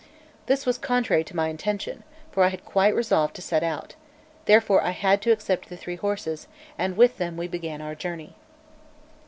This was contrary to my intention, for I had quite resolved to set out; therefore I had to accept the three horses, and with them we began our journey.